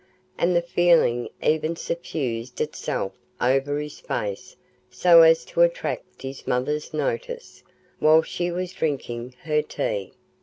And the feeling even suffused itself over his face so as to attract his mother's notice, while she was drinking her tea.